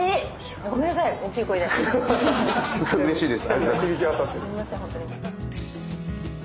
うれしいです。